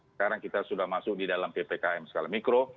sekarang kita sudah masuk di dalam ppkm skala mikro